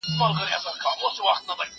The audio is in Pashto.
دغه پاڼ به مي په یاد وي له دې دمه